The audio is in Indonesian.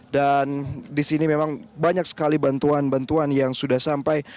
dan di sini memang banyak sekali bantuan bantuan yang sudah sampai